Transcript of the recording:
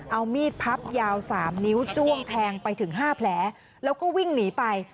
เอามีดพับยาว๓นิ้วจ้วงแทงไปถึง๕แผลแล้วก็วิ่งหนีไป